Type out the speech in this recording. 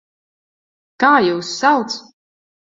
Kā jūs sauc?